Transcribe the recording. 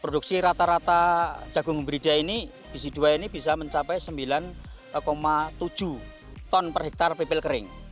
produksi rata rata jagung beridia ini bisa mencapai sembilan tujuh ton per hektare pipil kering